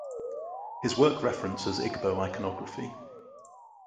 His work references Igbo iconography.